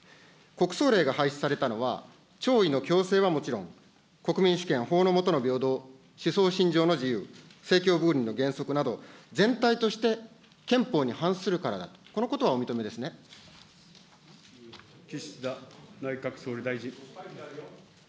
国葬令が廃止されたのは、弔意の強制はもちろん、国民主権、法の下の平等、思想信条の自由、政教分離の原則など、全体として、憲法に反するからだと、このこと岸田内閣総理大臣。